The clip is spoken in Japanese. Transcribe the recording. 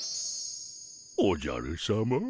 おじゃるさま。